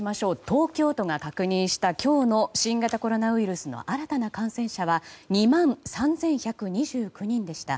東京都が確認した今日の新型コロナウイルスの新たな感染者は２万３１２９人でした。